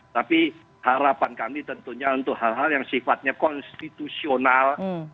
tapi harapan kami tentunya untuk hal hal yang sifatnya konstitusional